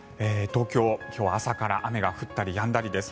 東京、今日は朝から雨が降ったりやんだりです。